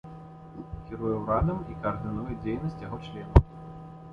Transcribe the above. Кіруе урадам і каардынуе дзейнасць яго членаў.